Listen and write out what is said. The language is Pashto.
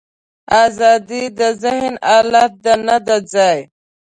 ازادي د ذهن حالت دی، نه ځای.